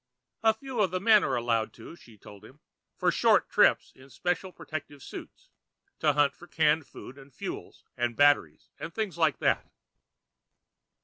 "A few of the men are allowed to," she told him, "for short trips in special protective suits, to hunt for canned food and fuels and batteries and things like that."